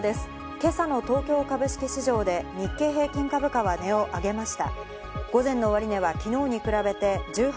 今朝の東京株式市場で日経平均株価は値を上げました。